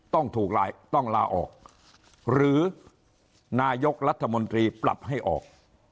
ต้องลาออกหรือนายกรัฐมนตรีปรับให้ออก